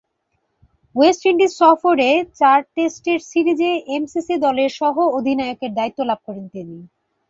West Indies সফরে চার টেস্টের সিরিজে এমসিসি দলের সহঃ অধিনায়কের দায়িত্ব লাভ করেন তিনি।